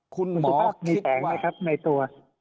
คุณหมอมีแสงไหมครับในตัว